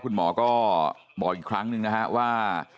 คุณหมอก็บอกอีกครั้งหนึ่งนะฮะว่า